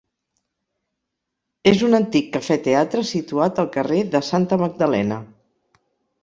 És un antic cafè-teatre situat al carrer de Santa Magdalena.